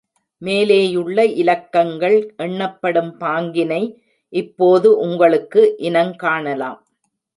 மேலேயுள்ள இலக்கங்கள் எண்ணப்படும் பாங்கினை இப்போது உங்களுக்கு இனங்காணலாம்.